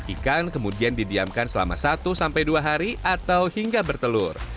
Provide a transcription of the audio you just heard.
ikan kemudian didiamkan selama satu sampai dua hari atau hingga bertelur